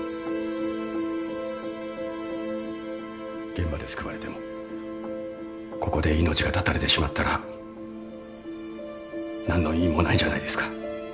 現場で救われてもここで命が絶たれてしまったら何の意味もないじゃないですか。